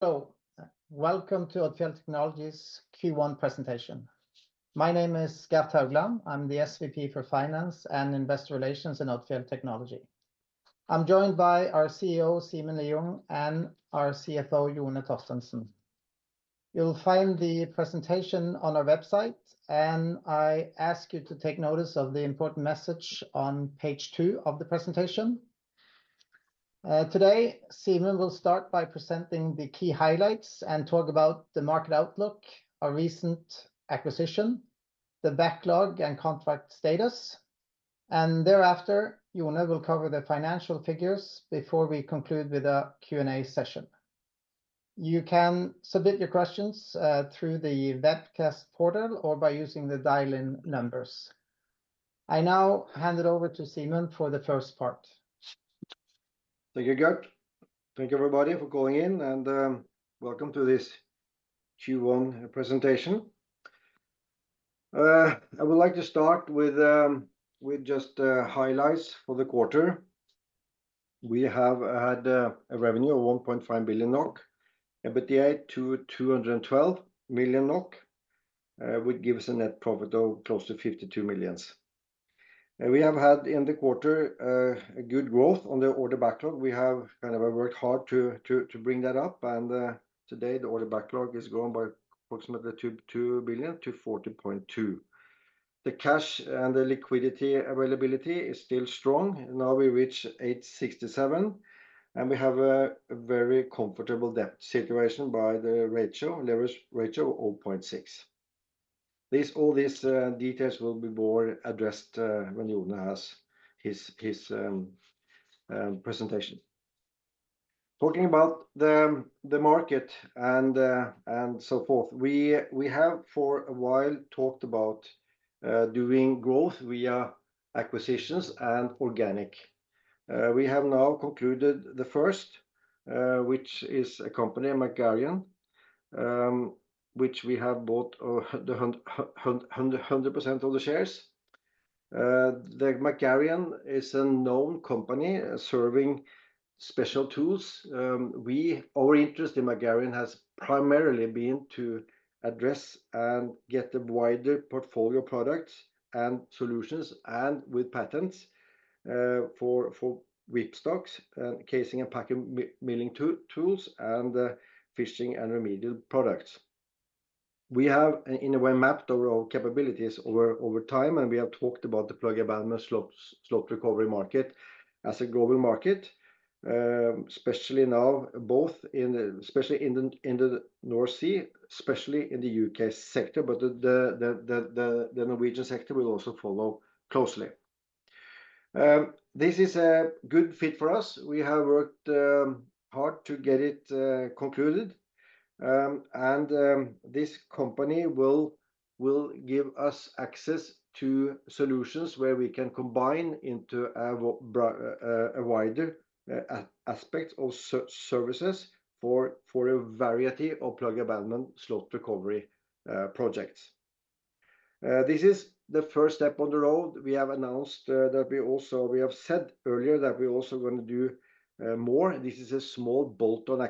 Hello. Welcome to Odfjell Technology's Q1 presentation. My name is Gert Haugland. I'm the SVP for Finance and Investor Relations in Odfjell Technology. I'm joined by our CEO, Simen Lieungh, and our CFO, Jone Torstensen. You'll find the presentation on our website, and I ask you to take notice of the important message on page two of the presentation. Today, Simen will start by presenting the key highlights and talk about the market outlook, our recent acquisition, the backlog and contract status, and thereafter, Jone will cover the financial figures before we conclude with a Q&A session. You can submit your questions through the webcast portal or by using the dial-in numbers. I now hand it over to Simen for the first part. Thank you, Gert. Thank you, everybody, for calling in, and welcome to this Q1 presentation. I would like to start with just highlights for the quarter. We have had a revenue of 1.5 billion NOK, EBITDA of 212 million NOK, which gives us a net profit of close to 52 million. We have had, in the quarter, a good growth on the order backlog. We have kind of worked hard to bring that up, and today the order backlog has grown by approximately 2 billion to 14.2 billion. The cash and the liquidity availability is still strong. Now we reach 867 million, and we have a very comfortable debt situation by the ratio, leverage ratio of 0.6. This, all these details will be more addressed when Jone has his presentation. Talking about the market and so forth, we have for a while talked about doing growth via acquisitions and organic. We have now concluded the first, which is a company, McGarian, which we have bought the 100% of the shares. The McGarian is a known company serving special tools. Our interest in McGarian has primarily been to address and get a wider portfolio of products and solutions, and with patents for whipstocks, casing and packer milling tools, and fishing and remedial products. We have, in a way, mapped our capabilities over time, and we have talked about the plug abandonment slot recovery market as a global market, especially now in the North Sea, especially in the U.K. sector, but the Norwegian sector will also follow closely. This is a good fit for us. We have worked hard to get it concluded. And this company will give us access to solutions where we can combine into a broader aspect of services for a variety of plug abandonment slot recovery projects. This is the first step on the road. We have announced that we also—we have said earlier that we're also going to do more. This is a small bolt-on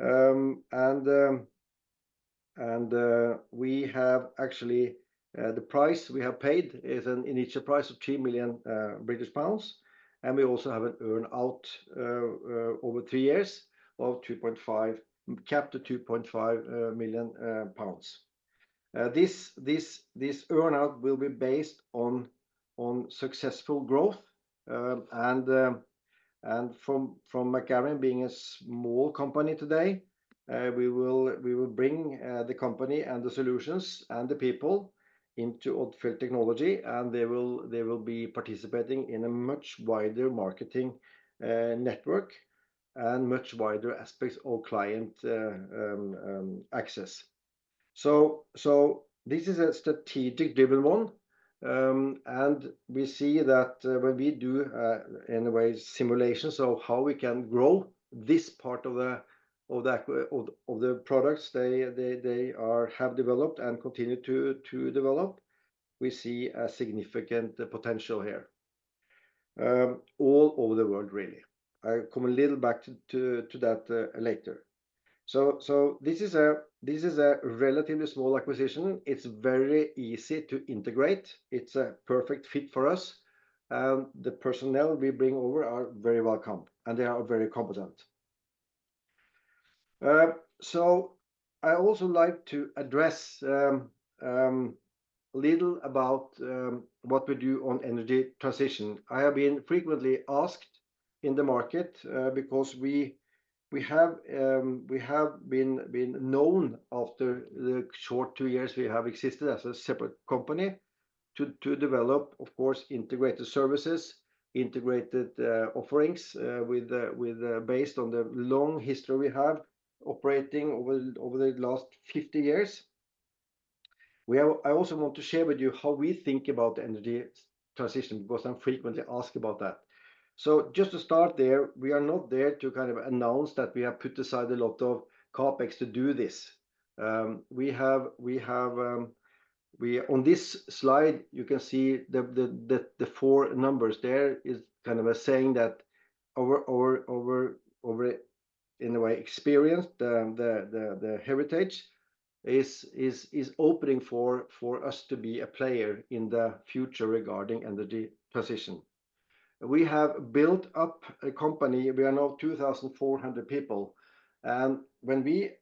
acquisition. And we have actually the price we have paid is an initial price of 3 million British pounds, and we also have an earn-out over three years of 2.5 million, capped to 2.5 million pounds. This earn-out will be based on successful growth, and from McGarian being a small company today, we will bring the company and the solutions and the people into Odfjell Technology, and they will be participating in a much wider marketing network and much wider aspects of client access. So this is a strategic development, and we see that when we do simulations of how we can grow this part of the products, they have developed and continue to develop, we see a significant potential here all over the world, really. I come a little back to that later. So this is a relatively small acquisition. It's very easy to integrate. It's a perfect fit for us, and the personnel we bring over are very welcome, and they are very competent. So I also like to address a little about what we do on energy transition. I have been frequently asked in the market, because we have been known after the short two years we have existed as a separate company, to develop, of course, integrated services, integrated offerings, with, with based on the long history we have operating over the last 50 years. I also want to share with you how we think about energy transition, because I'm frequently asked about that. So just to start there, we are not there to kind of announce that we have put aside a lot of CapEx to do this. On this slide, you can see the four numbers. There is kind of a saying that our, in a way, experience, the heritage is opening for us to be a player in the future regarding energy transition. We have built up a company. We are now 2,400 people, and when we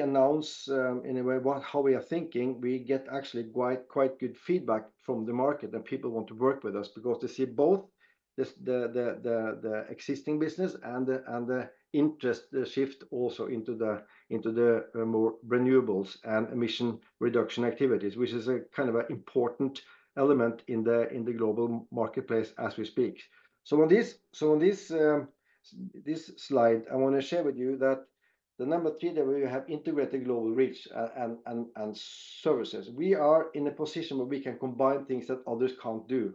announce, in a way, what, how we are thinking, we get actually quite, quite good feedback from the market, and people want to work with us because they see both the existing business and the, and the interest, the shift also into the, into the more renewables and emission reduction activities, which is a kind of an important element in the, in the global marketplace as we speak. So on this, so on this, this slide, I wanna share with you that the number three, that we have integrated global reach and services. We are in a position where we can combine things that others can't do.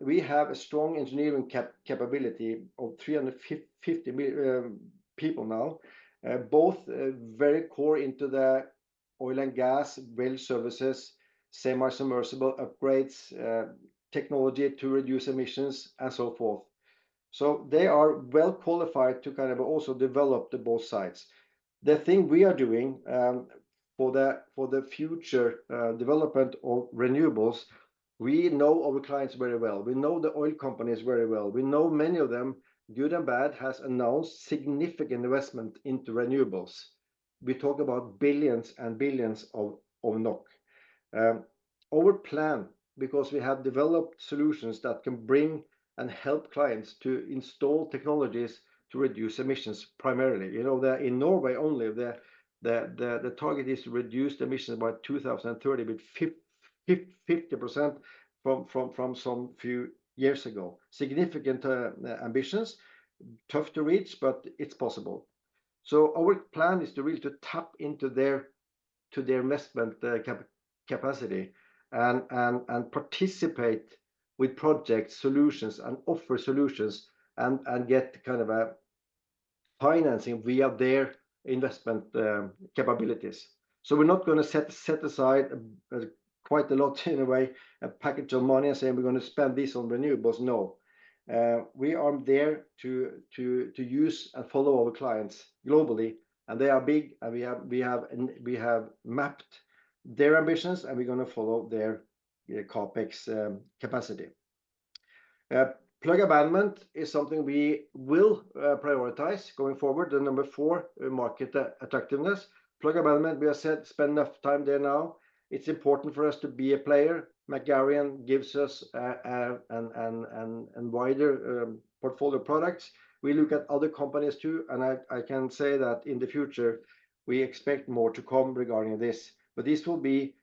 We have a strong engineering capability of 350 people now, both very core into the oil and gas well services, semi-submersible upgrades, technology to reduce emissions, and so forth. So they are well qualified to kind of also develop the both sides. The thing we are doing, for the future development of renewables, we know our clients very well. We know the oil companies very well. We know many of them, good and bad, has announced significant investment into renewables. We talk about billions and billions of NOK. Our plan, because we have developed solutions that can bring and help clients to install technologies to reduce emissions, primarily. You know that in Norway only, the target is to reduce emissions by 2030 with 50% from some few years ago. Significant ambitions, tough to reach, but it's possible. So our plan is to really tap into their investment capacity and participate with project solutions and offer solutions and get kind of a financing via their investment capabilities. So we're not gonna set aside quite a lot in a way, a package of money and say, "We're gonna spend this on renewables." No. We are there to use and follow our clients globally, and they are big, and we have mapped their ambitions, and we're gonna follow their CapEx capacity. Plug abandonment is something we will prioritize going forward. The number four, market attractiveness. Plug abandonment, we have said, spent enough time there now. It's important for us to be a player. McGarian gives us a wider portfolio of products. We look at other companies, too, and I can say that in the future we expect more to come regarding this, but this will be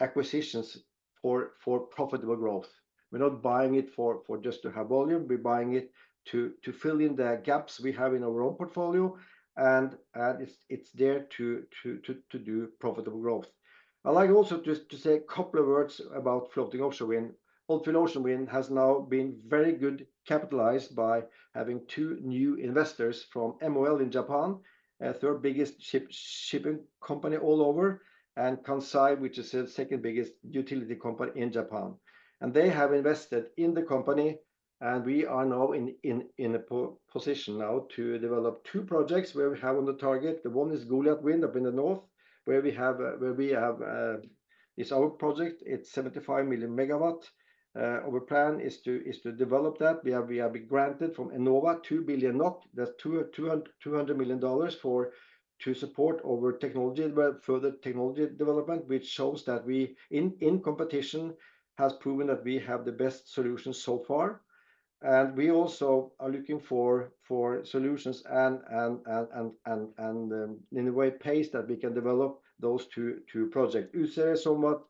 acquisitions for profitable growth. We're not buying it for just to have volume. We're buying it to fill in the gaps we have in our own portfolio, and it's there to do profitable growth. I'd like also just to say a couple of words about floating offshore wind. Floating offshore wind has now been very good capitalized by having two new investors from MOL in Japan, third biggest shipping company all over, and Kansai, which is the second biggest utility company in Japan. They have invested in the company, and we are now in a position now to develop two projects where we have on the target. The one is GoliatVind up in the north, where we have a... It's our project. It's 75 MW. Our plan is to develop that. We have been granted from Enova 2 billion NOK. That's $200 million to support our further technology development, which shows that we in competition has proven that we have the best solutions so far. And we also are looking for solutions and in a way pace that we can develop those two projects. Utsira is somewhat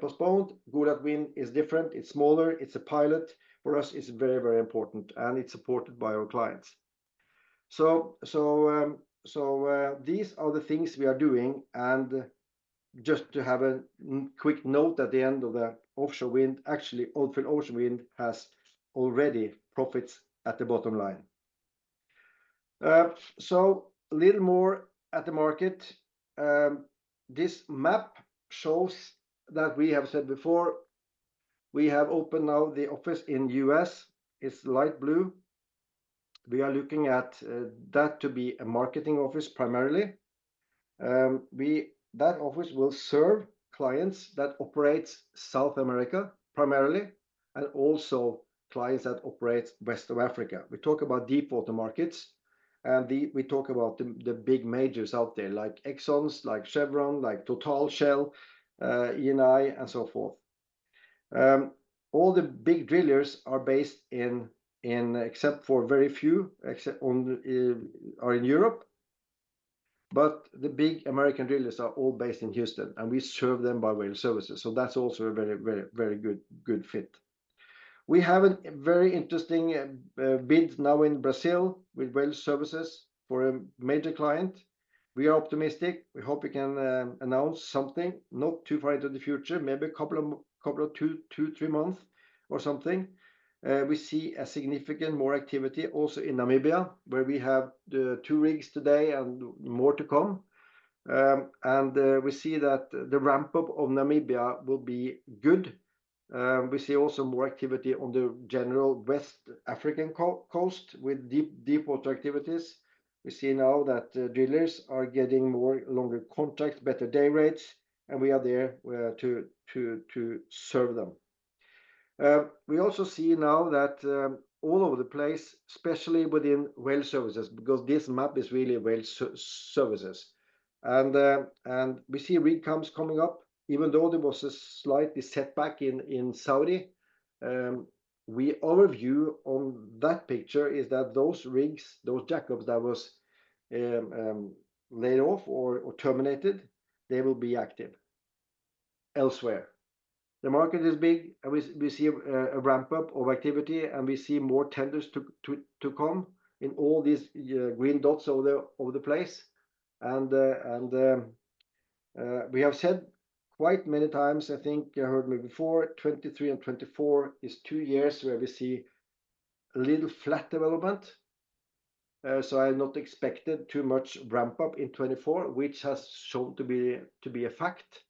postponed. GoliatVind is different. It's smaller. It's a pilot. For us, it's very, very important, and it's supported by our clients. So these are the things we are doing. And just to have a quick note at the end of the offshore wind, actually, offshore wind has already profits at the bottom line. So a little more at the market. This map shows that we have said before, we have opened now the office in the U.S. It's light blue. We are looking at that to be a marketing office primarily. That office will serve clients that operates South America primarily, and also clients that operate West Africa. We talk about deepwater markets, and we talk about the big majors out there, like Exxon, like Chevron, like Total, Shell, Eni, and so forth. All the big drillers are based in Europe, except for very few, but the big American drillers are all based in Houston, and we serve them by well services, so that's also a very good fit. We have a very interesting bid now in Brazil with well services for a major client. We are optimistic. We hope we can announce something not too far into the future, maybe a couple of 2-3 months or something. We see a significant more activity also in Namibia, where we have the two rigs today and more to come. And we see that the ramp-up of Namibia will be good. We see also more activity on the general West African coast with deepwater activities. We see now that drillers are getting more longer contracts, better day rates, and we are there to serve them. We also see now that all over the place, especially within well services, because this map is really well services, and we see rig counts coming up. Even though there was a slight setback in Saudi, our view on that picture is that those rigs, those jackups that was laid off or terminated, they will be active elsewhere. The market is big, and we see a ramp-up of activity, and we see more tenders to come in all these green dots all over the place. And we have said quite many times, I think you heard me before, 2023 and 2024 is two years where we see a little flat development. So I have not expected too much ramp-up in 2024, which has shown to be a fact.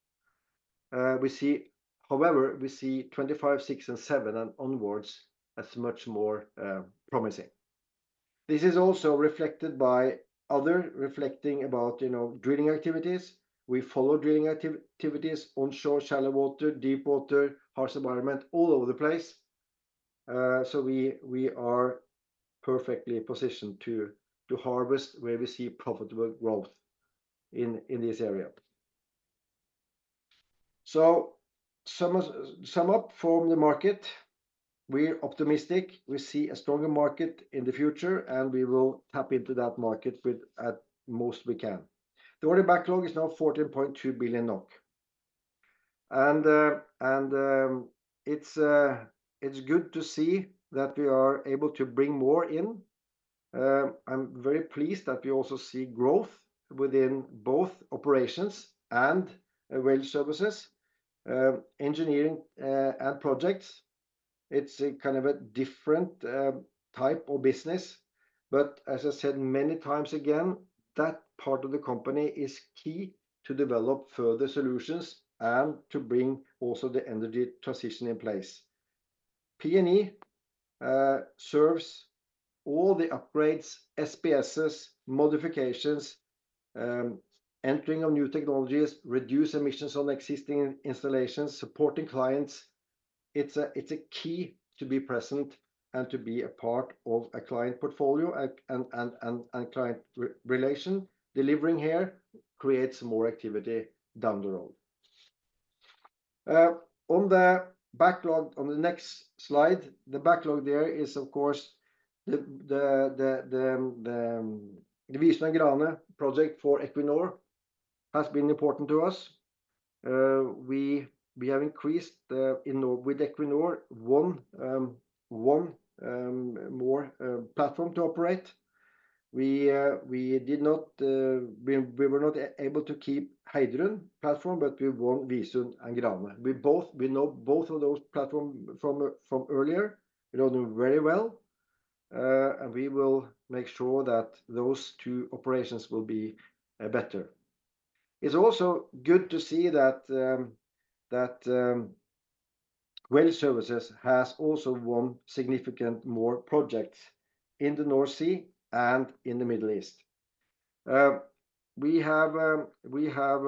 However, we see 2025, 2026, and 2027, and onwards as much more promising. This is also reflected by others reflecting about, you know, drilling activities. We follow drilling activities on shore, shallow water, deep water, harsh environment, all over the place. So we are perfectly positioned to harvest where we see profitable growth in this area. So some of, sum up from the market, we're optimistic. We see a stronger market in the future, and we will tap into that market with as most we can. The order backlog is now 14.2 billion NOK. It's good to see that we are able to bring more in. I'm very pleased that we also see growth within both operations and well services. Engineering, and projects, it's a kind of a different, type of business, but as I said many times, again, that part of the company is key to develop further solutions and to bring also the energy transition in place. P&E serves all the upgrades, SPSs, modifications, entering of new technologies, reduce emissions on existing installations, supporting clients. It's a key to be present and to be a part of a client portfolio and client relationship. Delivering here creates more activity down the road. On the backlog on the next slide, the backlog there is, of course, the Visund and Grane project for Equinor has been important to us. We have increased with Equinor one more platform to operate. We did not, we were not able to keep Heidrun platform, but we want Visund and Grane. We know both of those platforms from earlier. We know them very well, and we will make sure that those two operations will be better. It's also good to see that Well Services has also won significant more projects in the North Sea and in the Middle East. We have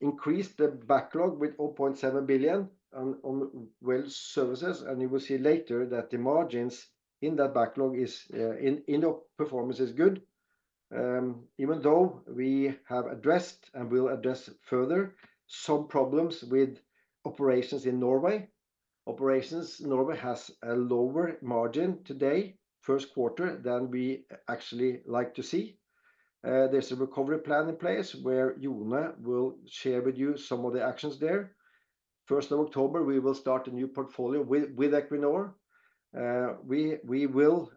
increased the backlog with 0.7 billion on Well Services, and you will see later that the margins in that backlog is in our performance, is good. Even though we have addressed, and will address further, some problems with Operations in Norway. Operations in Norway has a lower margin today, first quarter, than we actually like to see. There's a recovery plan in place where Jone will share with you some of the actions there. First of October, we will start a new portfolio with Equinor. We will...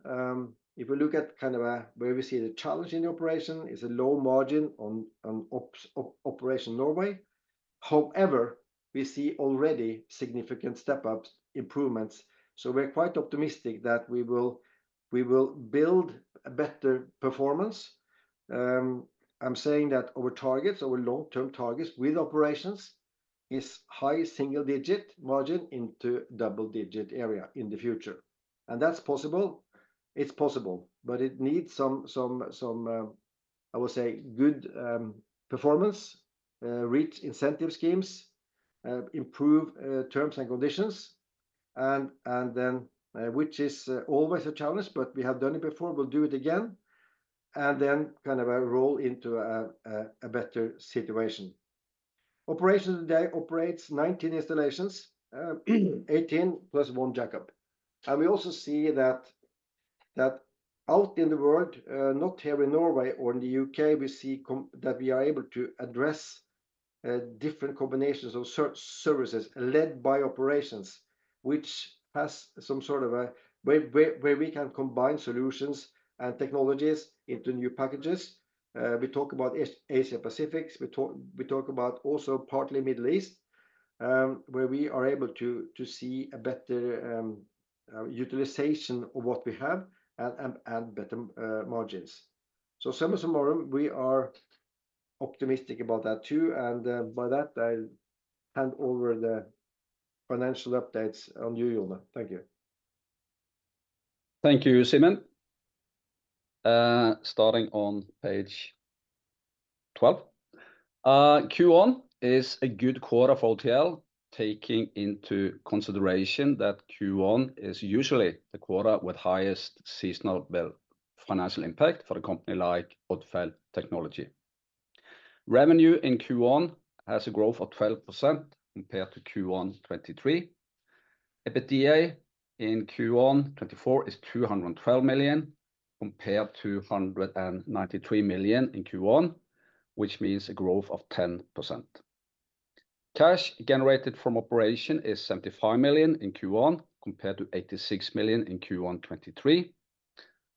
If you look at where we see the challenge in the operation, is a low margin on operation Norway. However, we see already significant step-up improvements, so we're quite optimistic that we will build a better performance. I'm saying that our targets, our long-term targets with operations, is high single-digit margin into double-digit area in the future. And that's possible. It's possible, but it needs some good performance, reach incentive schemes, improve terms and conditions, and then, which is always a challenge, but we have done it before, we'll do it again, and then kind of a roll into a better situation. Operation today operates 19 installations, 18 plus 1 jackup. And we also see that out in the world, not here in Norway or in the U.K., we see that we are able to address different combinations of services led by operations, which has some sort of a way, where we can combine solutions and technologies into new packages. We talk about Asia-Pacific. We talk about also partly Middle East, where we are able to see a better utilization of what we have and better margins. So some of tomorrow, we are optimistic about that, too. And by that, I'll hand over the financial updates to you, Jone. Thank you. Thank you, Simen. Starting on page 12. Q1 is a good quarter for OTL, taking into consideration that Q1 is usually the quarter with highest seasonal well financial impact for a company like Odfjell Technology. Revenue in Q1 has a growth of 12% compared to Q1 2023. EBITDA in Q1 2024 is 212 million, compared to 193 million in Q1, which means a growth of 10%. Cash generated from operation is 75 million in Q1, compared to 86 million in Q1 2023.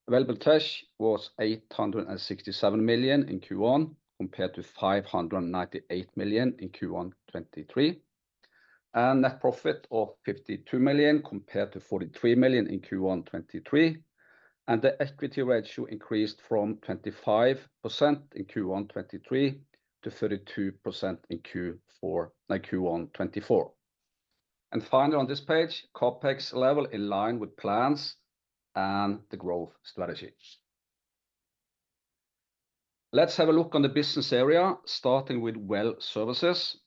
Available cash was 867 million in Q1, compared to 598 million in Q1 2023. Net profit of 52 million, compared to 43 million in Q1 2023, and the equity ratio increased from 25% in Q1 2023 to 32% in Q1 2024. Finally, on this page, CapEx level in line with plans and the growth strategies. Let's have a look on the business area, starting with Well Services.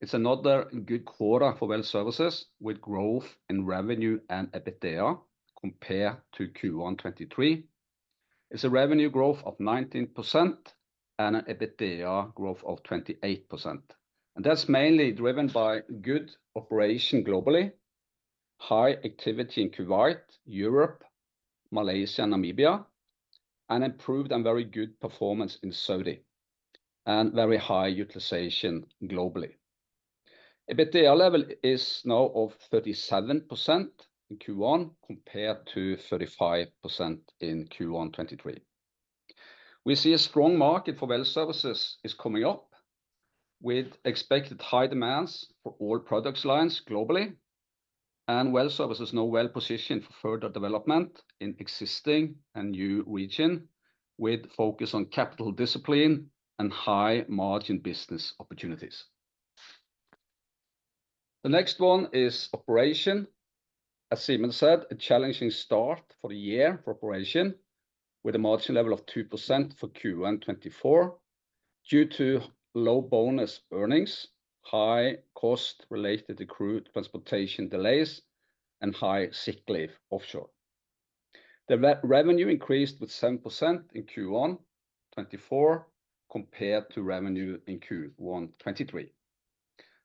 It's another good quarter for Well Services, with growth in revenue and EBITDA compared to Q1 2023. It's a revenue growth of 19% and an EBITDA growth of 28%, and that's mainly driven by good operation globally, high activity in Kuwait, Europe, Malaysia, Namibia, and improved and very good performance in Saudi, and very high utilization globally. EBITDA level is now of 37% in Q1, compared to 35% in Q1 2023. We see a strong market for Well Services is coming up, with expected high demands for all products lines globally and Well Services now well-positioned for further development in existing and new region, with focus on capital discipline and high-margin business opportunities. The next one is operation. As Simen said, a challenging start for the year for Operations, with a margin level of 2% for Q1 2024, due to low bonus earnings, high cost related to crew transportation delays, and high sick leave offshore. The revenue increased with 7% in Q1 2024, compared to revenue in Q1 2023.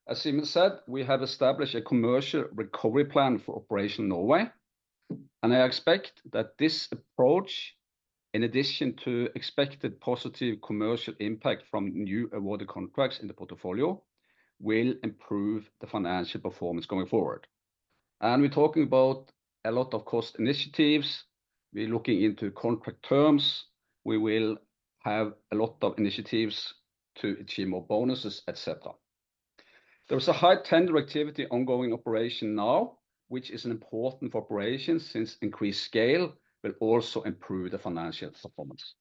As Simen said, we have established a commercial recovery plan for Operations Norway, and I expect that this approach, in addition to expected positive commercial impact from new awarded contracts in the portfolio, will improve the financial performance going forward. And we're talking about a lot of cost initiatives. We're looking into contract terms. We will have a lot of initiatives to achieve more bonuses, et cetera. There is a high tender activity ongoing Operations now, which is an important operation, since increased scale will also improve the financial performance.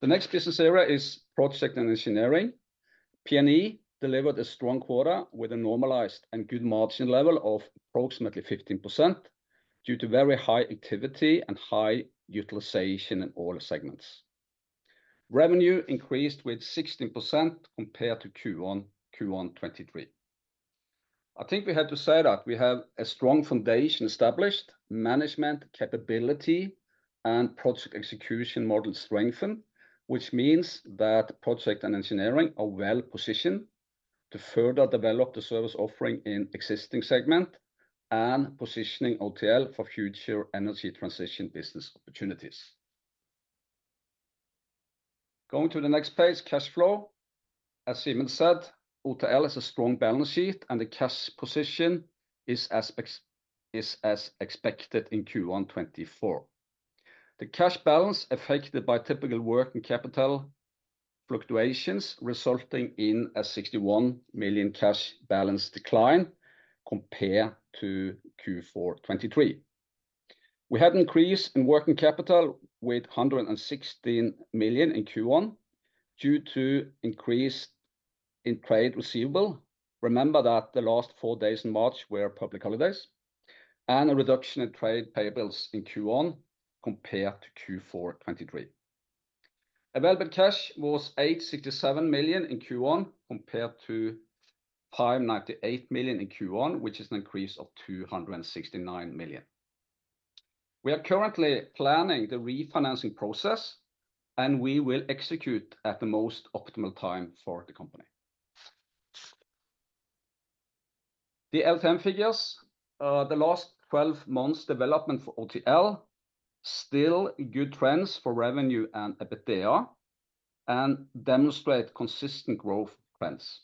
The next business area is Projects & Engineering. P&E delivered a strong quarter with a normalized and good margin level of approximately 15%, due to very high activity and high utilization in all segments. Revenue increased with 16% compared to Q1 2023. I think we have to say that we have a strong foundation established, management capability and project execution model strengthened, which means that Projects & Engineering are well-positioned to further develop the service offering in existing segment and positioning OTL for future energy transition business opportunities. Going to the next page, cash flow. As Simen said, OTL has a strong balance sheet, and the cash position is as it is as expected in Q1 2024. The cash balance affected by typical working capital fluctuations, resulting in a 61 million cash balance decline compared to Q4 2023. We had an increase in working capital with 116 million in Q1 due to increase in trade receivable. Remember that the last four days in March were public holidays, and a reduction in trade payables in Q1 compared to Q4 2023. Available cash was 867 million in Q1, compared to 598 million in Q1, which is an increase of 269 million. We are currently planning the refinancing process, and we will execute at the most optimal time for the company. The LTM figures, the last twelve months development for OTL, still good trends for revenue and EBITDA, and demonstrate consistent growth trends.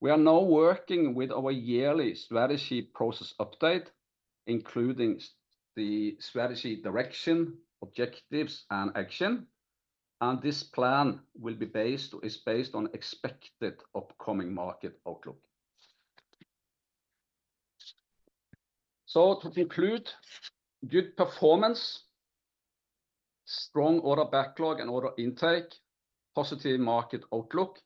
We are now working with our yearly strategy process update, including the strategy direction, objectives, and action, and this plan will be based, is based on expected upcoming market outlook. So to conclude, good performance, strong order backlog and order intake, positive market outlook,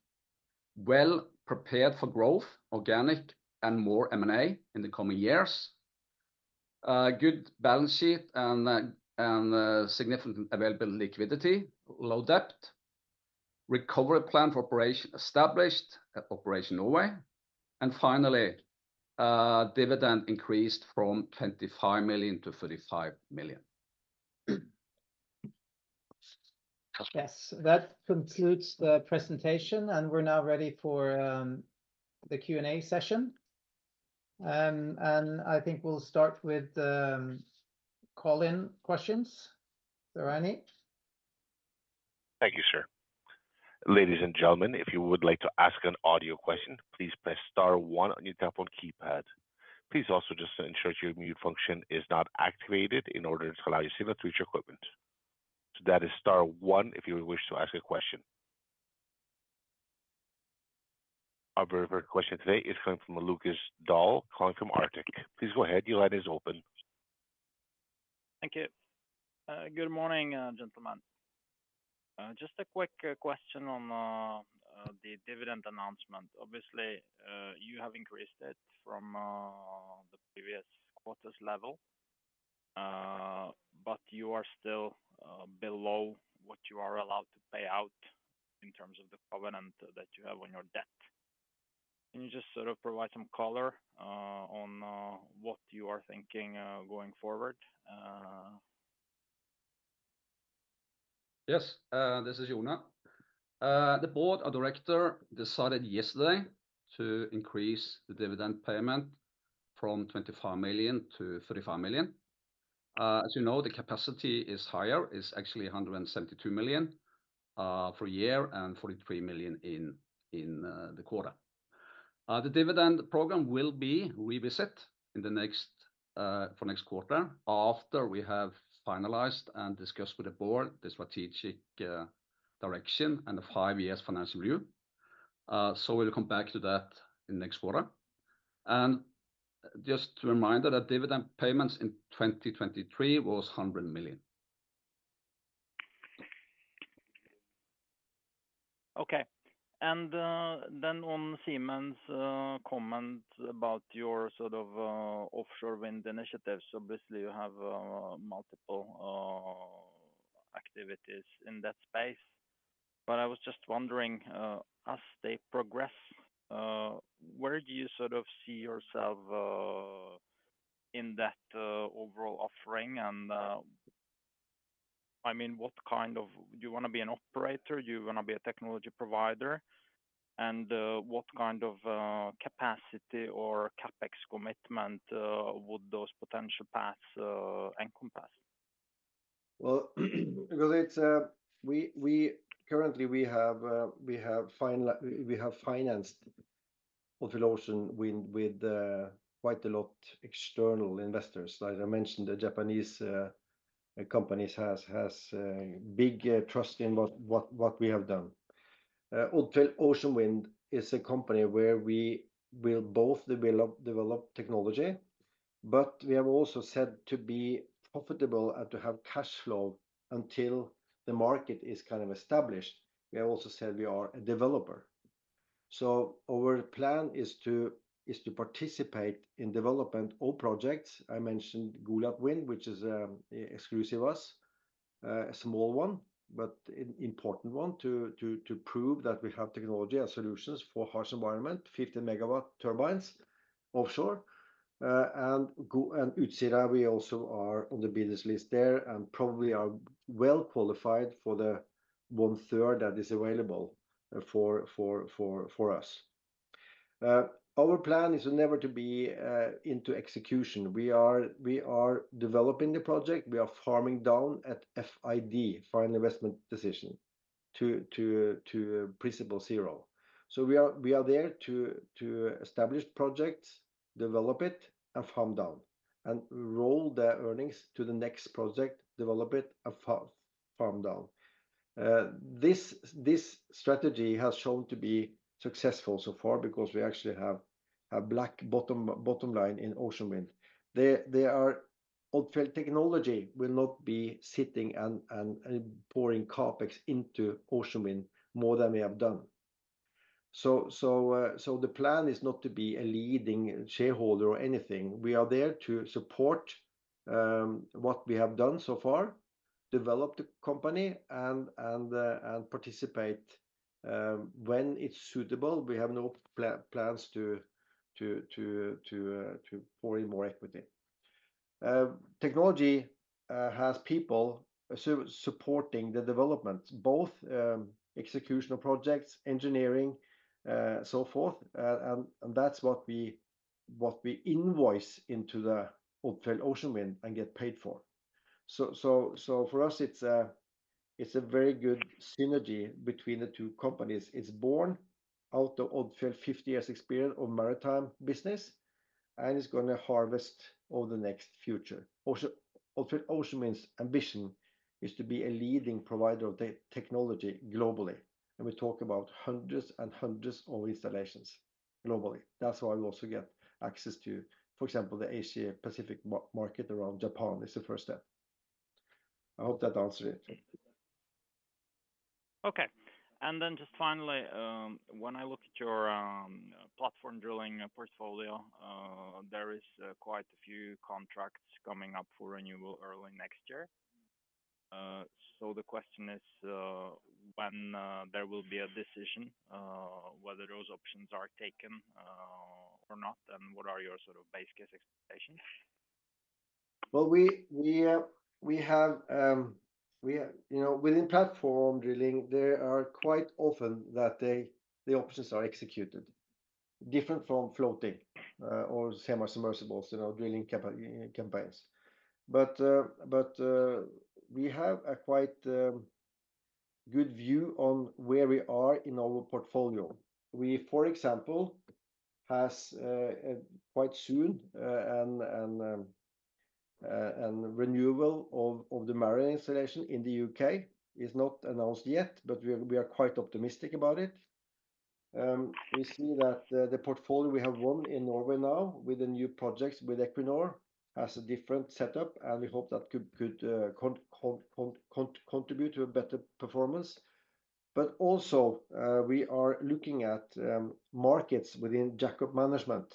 well prepared for growth, organic and more M&A in the coming years. Good balance sheet and significant available liquidity, low debt. Recovery plan for operation established at Operation Norway. And finally, dividend increased from NOK 25 million-NOK 35 million. Yes, that concludes the presentation, and we're now ready for the Q&A session. And I think we'll start with call-in questions, if there are any. Thank you, sir. Ladies and gentlemen, if you would like to ask an audio question, please press star one on your telephone keypad. Please also just ensure your mute function is not activated in order to allow your signal through to your equipment. So that is star one if you would wish to ask a question. Our very first question today is coming from Lukas Daul, calling from Arctic. Please go ahead, your line is open. Thank you. Good morning, gentlemen. Just a quick question on the dividend announcement. Obviously, you have increased it from the previous quarter's level, but you are still below what you are allowed to pay out in terms of the covenant that you have on your debt. Can you just sort of provide some color on what you are thinking going forward? Yes, this is Jone. The Board of Directors decided yesterday to increase the dividend payment from 25 million to 35 million. As you know, the capacity is higher, it's actually 172 million per year, and 43 million in the quarter. The dividend program will be revisit in the next, for next quarter, after we have finalized and discussed with the Board the strategic, direction and the five-years financial review. So we'll come back to that in next quarter. And just to remind that the dividend payments in 2023 was 100 million. Okay. And then on Siemens' comment about your sort of offshore wind initiatives, obviously you have multiple activities in that space. But I was just wondering, as they progress, where do you sort of see yourself in that overall offering? And I mean, what kind of... Do you wanna be an operator? Do you wanna be a technology provider? And what kind of capacity or CapEx commitment would those potential paths encompass? Well, because it's, we currently we have, we have financed Odfjell Oceanwind with quite a lot external investors. As I mentioned, the Japanese companies has big trust in what we have done. Odfjell Oceanwind is a company where we will both develop technology, but we have also said to be profitable and to have cash flow until the market is kind of established. We have also said we are a developer. So our plan is to participate in development of projects. I mentioned GoliatVind, which is exclusive us. A small one, but an important one to prove that we have technology and solutions for harsh environment, 50 MW turbines offshore. And Utsira, we also are on the business list there, and probably are well qualified for the one-third that is available for us. Our plan is never to be into execution. We are developing the project. We are farming down at FID, Final Investment Decision, to principal zero. So we are there to establish projects, develop it, and farm down, and roll the earnings to the next project, develop it, and farm down. This strategy has shown to be successful so far because we actually have a black bottom line in Oceanwind. Odfjell Technology will not be sitting and pouring CapEx into Oceanwind more than we have done. So the plan is not to be a leading shareholder or anything. We are there to support what we have done so far, develop the company, and participate when it's suitable. We have no plans to pour in more equity. Technology has people supporting the development, both executional projects, engineering, so forth. And that's what we invoice into the Odfjell Oceanwind and get paid for. So for us, it's a very good synergy between the two companies. It's born out of Odfjell 50 years experience of maritime business, and it's gonna harvest over the next future. Odfjell Oceanwind's ambition is to be a leading provider of technology globally, and we talk about hundreds and hundreds of installations globally. That's why we also get access to, for example, the Asia Pacific market around Japan is the first step.... I hope that answers it. Okay. And then just finally, when I look at your platform drilling portfolio, there is quite a few contracts coming up for renewal early next year. So the question is, when there will be a decision whether those options are taken or not, and what are your sort of base case expectations? Well, we have, you know, within platform drilling, there are quite often that the options are executed, different from floating or semi-submersibles, you know, drilling campaigns. But we have a quite good view on where we are in our portfolio. We, for example, has a quite soon and renewal of the marine installation in the U.K. It's not announced yet, but we are quite optimistic about it. We see that the portfolio we have won in Norway now with the new projects with Equinor has a different setup, and we hope that could contribute to a better performance. But also, we are looking at markets within jackup management,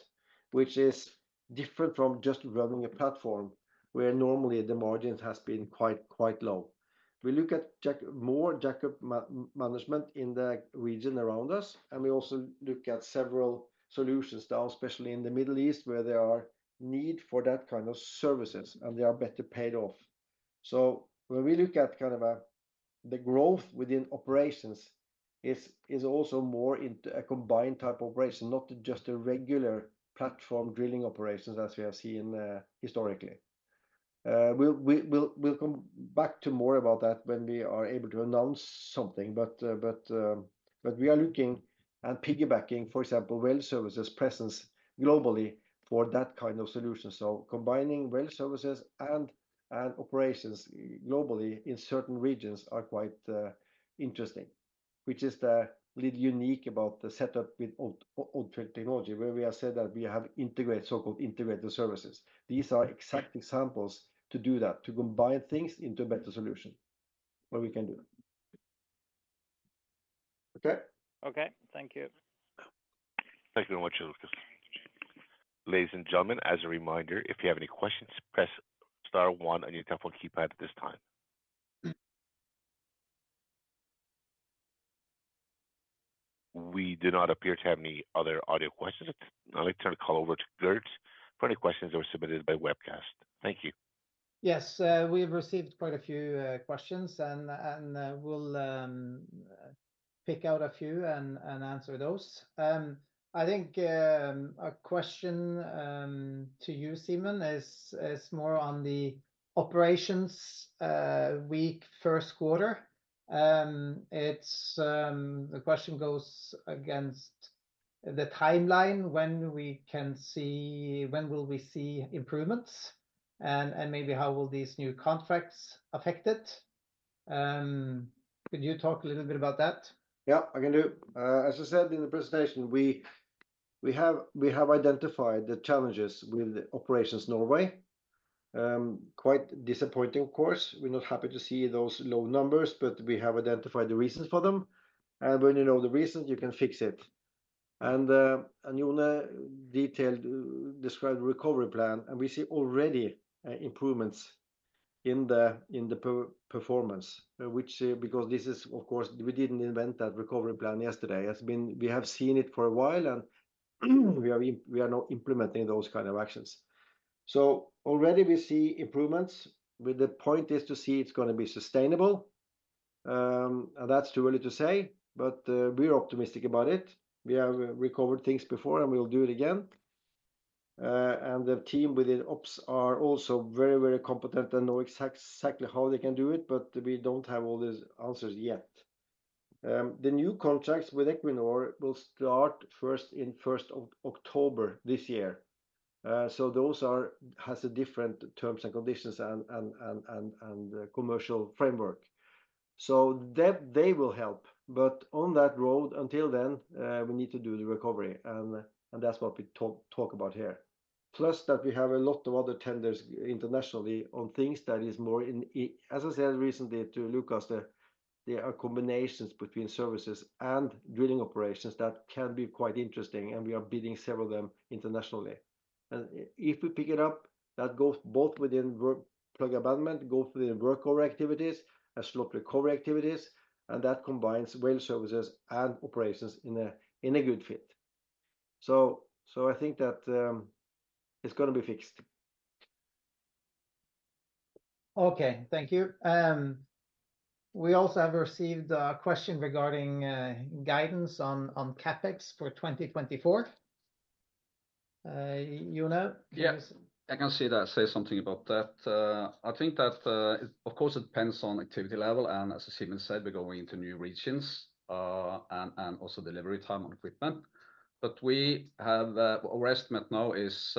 which is different from just running a platform, where normally the margins has been quite, quite low. We look at more jackup management in the region around us, and we also look at several solutions now, especially in the Middle East, where there are need for that kind of services, and they are better paid off. So when we look at kind of the growth within operations, it's also more into a combined type operation, not just a regular platform drilling operations as we have seen historically. We'll come back to more about that when we are able to announce something, but, but we are looking at piggybacking, for example, well services presence globally for that kind of solution. So combining well services and operations globally in certain regions are quite interesting, which is really unique about the setup with Odfjell Technology, where we have said that we have integrated, so-called integrated services. These are exact examples to do that, to combine things into a better solution, what we can do. Okay? Okay, thank you. Thank you very much, Lukas. Ladies and gentlemen, as a reminder, if you have any questions, press star one on your telephone keypad at this time. We do not appear to have any other audio questions. I'd like to turn the call over to Gert for any questions that were submitted by webcast. Thank you. Yes, we've received quite a few questions, and we'll pick out a few and answer those. I think a question to you, Simen, is more on the operations, weak first quarter. The question goes against the timeline, when we can see—when will we see improvements, and maybe how will these new contracts affect it? Could you talk a little bit about that? Yeah, I can do. As I said in the presentation, we have identified the challenges with the operations in Norway. Quite disappointing, of course. We're not happy to see those low numbers, but we have identified the reasons for them, and when you know the reasons, you can fix it. And Jone described the recovery plan, and we see already improvements in the performance. Which, because this is, of course, we didn't invent that recovery plan yesterday. It's been. We have seen it for a while, and we are now implementing those kind of actions. So already we see improvements, but the point is to see it's gonna be sustainable. And that's too early to say, but we're optimistic about it. We have recovered things before, and we'll do it again. and the team within ops are also very, very competent and know exactly how they can do it, but we don't have all the answers yet. The new contracts with Equinor will start first in 1st of October this year. So those are has a different terms and conditions and commercial framework. So that they will help, but on that road, until then, we need to do the recovery, and that's what we talk about here. Plus, that we have a lot of other tenders internationally on things that is more in as I said recently to Lukas, there are combinations between services and drilling operations that can be quite interesting, and we are bidding several of them internationally. If we pick it up, that goes both within plug and abandonment work, goes within workover activities and slot recovery activities, and that combines well services and operations in a good fit. So, so I think that, it's gonna be fixed. Okay, thank you. We also have received a question regarding guidance on CapEx for 2024. Jone? Yes, I can see that, say something about that. I think that, it of course, it depends on activity level, and as Simen said, we're going into new regions, and also delivery time on equipment. But we have our estimate now is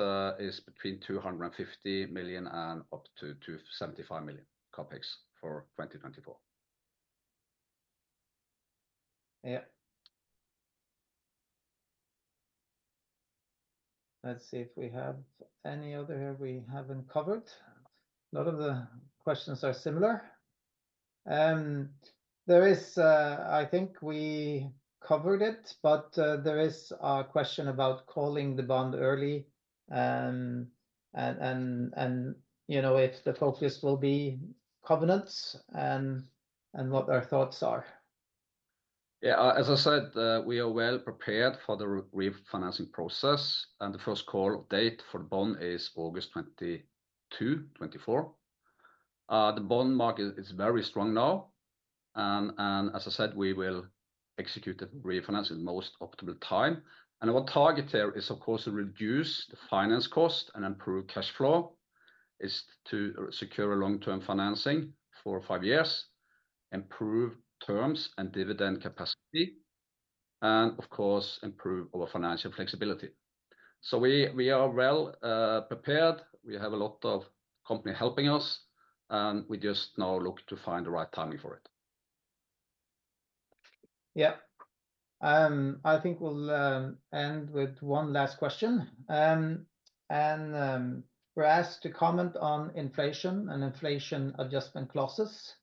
between 250 million and up to 275 million CapEx for 2024. Yeah. Let's see if we have any other we haven't covered. A lot of the questions are similar. There is, I think we covered it, but there is a question about calling the bond early. And, you know, if the focus will be covenants and what our thoughts are. Yeah, as I said, we are well prepared for the re-refinancing process, and the first call of date for the bond is August 22, 2024. The bond market is very strong now. And, and as I said, we will execute the refinancing at the most optimal time. Our target there is, of course, to reduce the finance cost and improve cash flow. It's to secure a long-term financing for five years, improve terms and dividend capacity, and of course, improve our financial flexibility. So we, we are well, prepared. We have a lot of company helping us, and we just now look to find the right timing for it. Yeah. I think we'll end with one last question. And we're asked to comment on inflation and inflation adjustment clauses,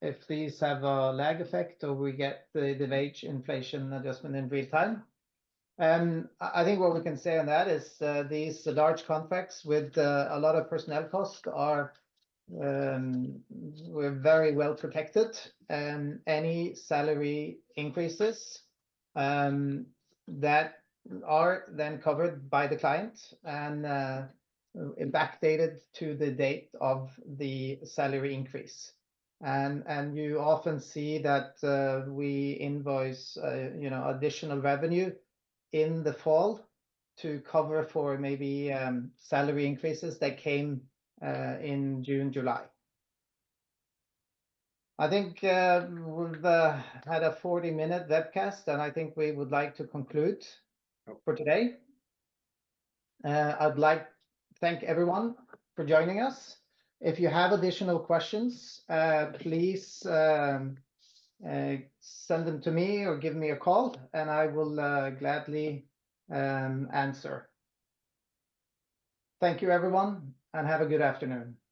if these have a lag effect or we get the wage inflation adjustment in real time. I think what we can say on that is, these large contracts with a lot of personnel costs are... we're very well protected. Any salary increases that are then covered by the client and backdated to the date of the salary increase. And you often see that we invoice, you know, additional revenue in the fall to cover for maybe salary increases that came in June, July. I think we've had a 40-minute webcast, and I think we would like to conclude for today. I'd like to thank everyone for joining us. If you have additional questions, please, send them to me or give me a call, and I will, gladly, answer. Thank you, everyone, and have a good afternoon.